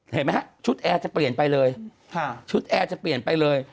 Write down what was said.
เห็นไหมชุดแอร์จะเปลี่ยนไปเลย